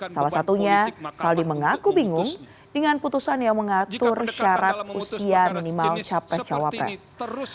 salah satunya saldi mengaku bingung dengan putusan yang mengatur syarat usia minimal capres cawapres